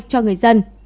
cho người dân